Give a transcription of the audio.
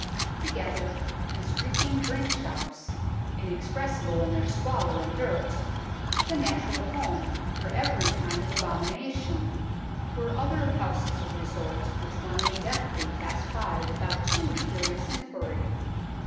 Together with these reeking drink shops, inexpressible in their squalor and dirt, the natural home for every kind of abomina tion, were other houses of resort which one may deftly pass by without too curious inquiry.